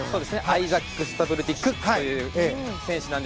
アイザック・スタブルティ・クック選手。